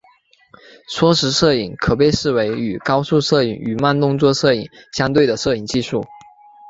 缩时摄影可被视为与高速摄影或慢动作摄影相对的摄影技术。